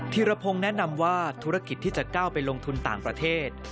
ีรพงศ์แนะนำว่าธุรกิจที่จะก้าวไปลงทุนต่างประเทศ